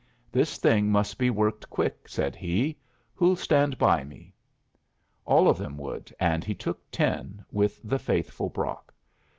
"This thing must be worked quick," said he. "Who'll stand by me?" All of them would, and he took ten, with the faithful Brock.